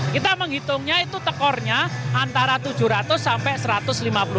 kita menghitungnya itu tekornya antara tujuh ratus sampai seratus persen